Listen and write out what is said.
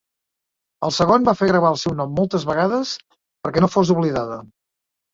El segon va fer gravar el seu nom moltes vegades perquè no fos oblidada.